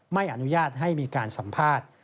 ไม่อนุญาตให้มีการสัมภาษณ์